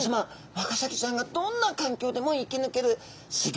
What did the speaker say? ワカサギちゃんがどんな環境でも生きぬけるす